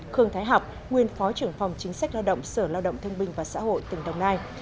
khương thái học nguyên phó trưởng phòng chính sách lao động sở lao động thương binh và xã hội tỉnh đồng nai